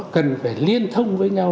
cần phải liên thông với nhau